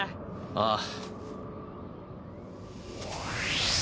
ああ。